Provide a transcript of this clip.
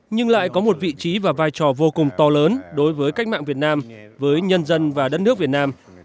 nhưng lại có một vị trí và vai trò vô cùng to lớn đối với cách mạng việt nam với nhân dân và đất nước việt nam